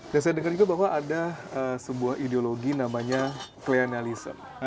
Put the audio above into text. dan saya dengar juga bahwa ada sebuah ideologi namanya kleanalisa